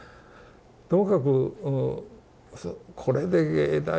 ともかくこれで藝大か。